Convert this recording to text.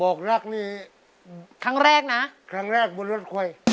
รักนี่ครั้งแรกนะครั้งแรกบนรถไฟ